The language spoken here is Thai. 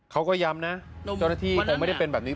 เขาก็ย้ำนะเจ้าหน้าที่คงไม่ได้เป็นแบบนี้